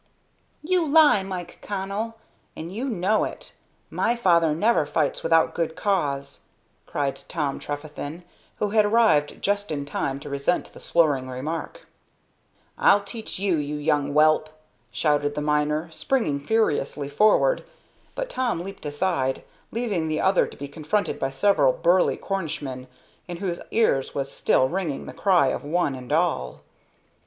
"You lie, Mike Connell, and you know it. My father never fights without good cause," cried Tom Trefethen, who had arrived just in time to resent the slurring remark. "I'll teach you, you young whelp!" shouted the miner, springing furiously forward; but Tom leaped aside, leaving the other to be confronted by several burly Cornishmen, in whose ears was still ringing the cry of "One and all!"